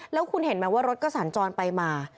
แล้วคุณเห็นไหมว่ารถก็สัญจรไปมา